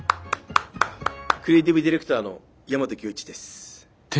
クリエイティブディレクターの大和響一です。